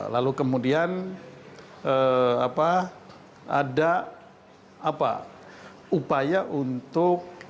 lalu kemudian ada upaya untuk